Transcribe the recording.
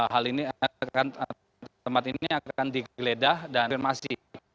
hal ini akan dikeledah dan dikonfirmasi